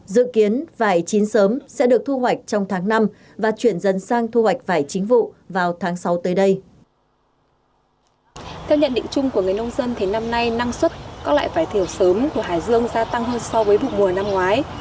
dự kiến vải chín sớm sẽ được thu hoạch trong tháng năm và chuyển dân sang thu hoạch vải chính vụ vào tháng sáu tới đây